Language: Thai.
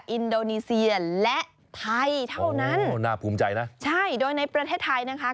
อินโดนีเซียและไทยเท่านั้นโอ้น่าภูมิใจนะใช่โดยในประเทศไทยนะคะ